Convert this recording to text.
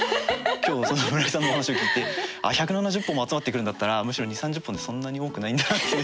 今日村井さんのお話を聞いて１７０本も集まってくるんだったらむしろ２０３０本ってそんなに多くないんだなって。